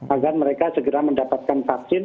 agar mereka segera mendapatkan vaksin